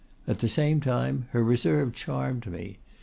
At the same time, her reserve charmed me.